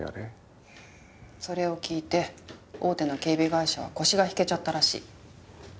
それを聞いて大手の警備会社は腰が引けちゃったらしい。